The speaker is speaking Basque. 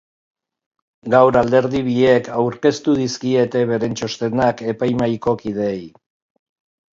Gaur alderdi biek aurkeztu dizkiete beren txostenak epaimahaiko kideei.